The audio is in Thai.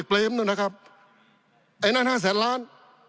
ปี๑เกณฑ์ทหารแสน๒